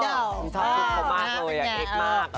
ชอบชุดผมมากเลยอยากเอกมาก